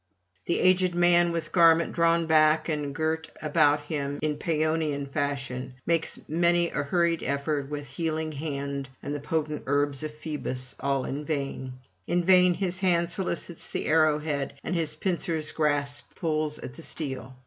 The aged man, with garment drawn back and girt about him in Paeonian fashion, makes many a hurried effort with healing hand and the potent herbs of Phoebus, all in vain; in vain his hand solicits the arrow head, and his pincers' grasp pulls at the steel.